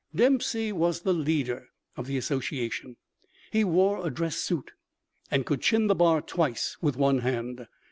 Dempsey was the leader of the association. He wore a dress suit, and could chin the bar twice with one hand.